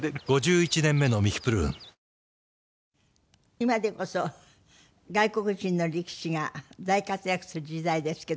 今でこそ外国人の力士が大活躍する時代ですけども。